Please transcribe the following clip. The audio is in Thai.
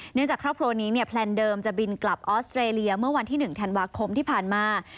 จากครอบครัวนี้เนี่ยแพลนเดิมจะบินกลับออสเตรเลียเมื่อวันที่๑ธันวาคมที่ผ่านมา